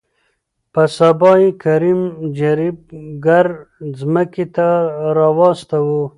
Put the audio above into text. په سبا يې کريم جريب ګر ځمکې ته راوستو.